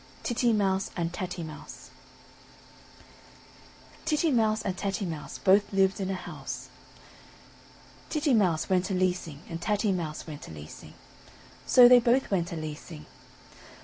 TITTY MOUSE AND TATTY MOUSE Titty Mouse and Tatty Mouse both lived in a house, Titty Mouse went a leasing and Tatty Mouse went a leasing, So they both went a leasing.